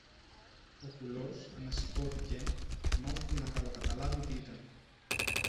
Ο κουλός ανασηκώθηκε, μα ώσπου να καλοκαταλάβει τι ήταν